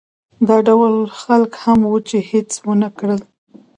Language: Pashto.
دا ډول خلک هم وو چې هېڅ ونه کړل.